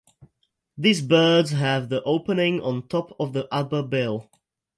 These birds have the opening on top of the upper bill.